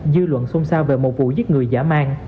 dư luận xôn xao về một vụ giết người giả mang